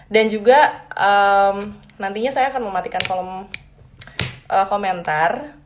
dan juga nantinya saya akan mematikan kolom komentar